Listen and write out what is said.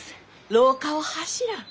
廊下を走らん。